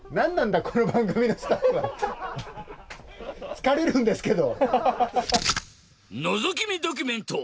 疲れるんですけど。